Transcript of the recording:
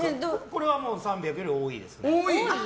これは３００より多いですね。